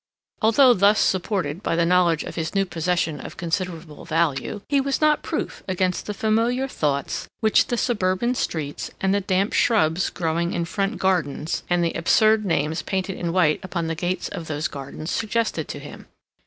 Although thus supported by the knowledge of his new possession of considerable value, he was not proof against the familiar thoughts which the suburban streets and the damp shrubs growing in front gardens and the absurd names painted in white upon the gates of those gardens suggested to him.